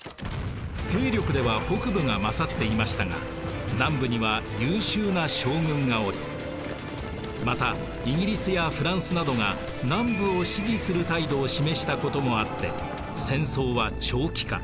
兵力では北部が勝っていましたが南部には優秀な将軍がおりまたイギリスやフランスなどが南部を支持する態度を示したこともあって戦争は長期化。